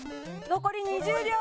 残り２０秒。